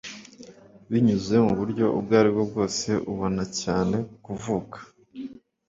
binyuze muburyo ubwo aribwo bwose ubona cyane kuvuka